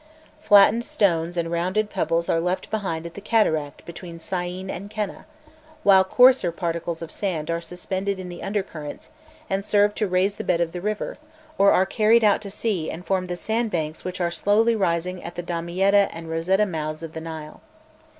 Flattened stones and rounded pebbles are left behind at the cataract between Syene and Keneh, while coarser particles of sand are suspended in the undercurrents and serve to raise the bed of the river, or are carried out to sea and form the sandbanks which are slowly rising at the Damietta and Rosetta mouths of the Nile.